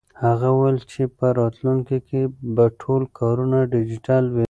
هغه وویل چې په راتلونکي کې به ټول کارونه ډیجیټل وي.